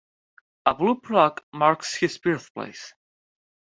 A blue plaque marks his birthplace.